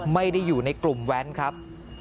ไม่ได้อยู่ในกลุ่มแว้นครับ